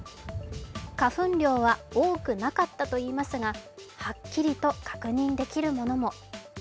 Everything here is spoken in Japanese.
花粉量は多くなかったといいますが、はっきりと確認できるものも。